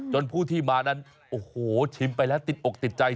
ผู้ที่มานั้นโอ้โหชิมไปแล้วติดอกติดใจ